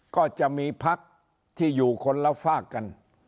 ก็จะมีพักที่อยู่คนละฝากกัน